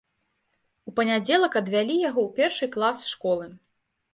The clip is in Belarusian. У панядзелак адвялі яго ў першы клас школы.